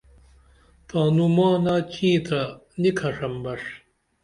تانومانہ چینترا نی کھڜمبڜ